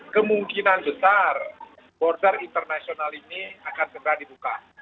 kemungkinan besar border internasional ini akan segera dibuka